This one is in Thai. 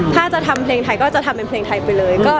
ถ้าจะทำเพลงไทยก็จะทำเป็นเพลงไทยไปเลย